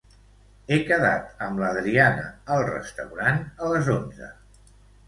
He quedat amb l'Adriana al restaurant a les onze.